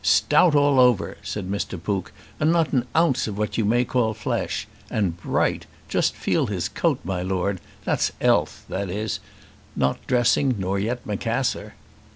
"Stout all over," said Mr. Pook, "and not an ounce of what you may call flesh. And bright! just feel his coat, my Lord! That's 'ealth, that is; not dressing, nor yet macassar!"